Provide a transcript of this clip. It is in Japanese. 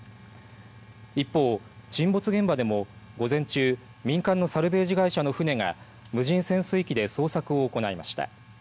一方、沈没現場でも午前中民間のサルベージ会社の船が無人潜水機で捜索を行いました。